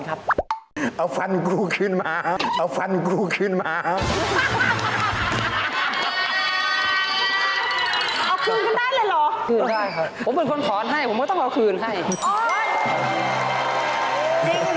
มองตั้งแต่หัวจดอย่างนี้